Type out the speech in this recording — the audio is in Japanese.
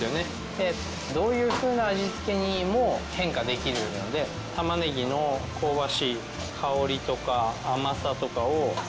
でどういうふうな味付けにも変化できるので玉ねぎの香ばしい香りとか甘さとかをなじませてあげて。